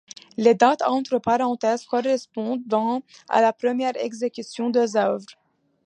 Les dates entre parenthèses correspondent à la première exécution des œuvres.